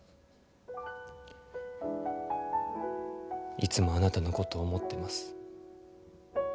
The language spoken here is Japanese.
いつもあなたのことを思ってます。